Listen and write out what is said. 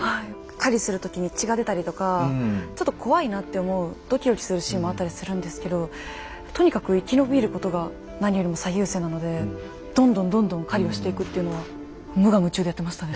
狩りする時に血が出たりとかちょっと怖いなって思うドキドキするシーンもあったりするんですけどとにかく生き延びることが何よりも最優先なのでどんどんどんどん狩りをしていくっていうのは無我夢中でやってましたね。